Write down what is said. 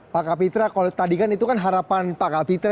pak kapitra kalau tadi kan itu kan harapan pak kapitra